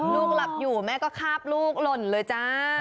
ลูกหลับอยู่แม่ก็คาบลูกหล่นเลยจ้า